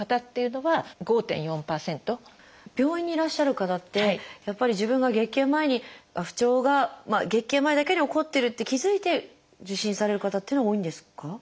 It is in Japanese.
病院にいらっしゃる方ってやっぱり自分が月経前に不調が月経前だけに起こってるって気付いて受診される方っていうのが多いんですか？